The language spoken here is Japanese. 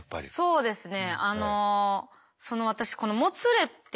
そうですね。